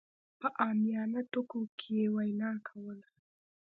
په عاميانه ټکو کې يې وينا کوله.